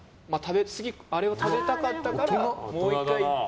次、あれを食べたかったからもう１回行って